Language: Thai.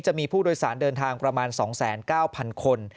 จะมีผู้โดยสารเดินทางประมาณ๒๙๐๐คน